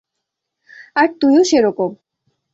আর তুইও সেরকম।